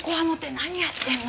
何やってんの？